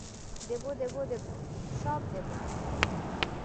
দেব দেব দেব, সব দেব।